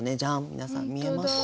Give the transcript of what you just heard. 皆さん見えますか？